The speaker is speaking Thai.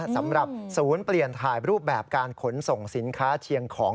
สำหรับศูนย์เปลี่ยนถ่ายรูปแบบการขนส่งสินค้าเชียงของ